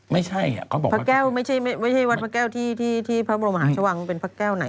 ไม่ใช่วัดพระแก้วที่พระบรมหาชะวังเป็นพระแก้วไหน